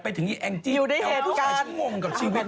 พี่แองจิให้พี่แอลล์พ่ายฉันงงกับชีวิตมาก